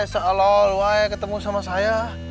seelol why ketemu sama saya